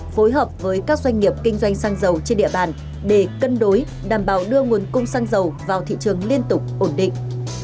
phối hợp với các doanh nghiệp kinh doanh xăng dầu trên địa bàn để cân đối đảm bảo đưa nguồn cung xăng dầu vào thị trường liên tục ổn định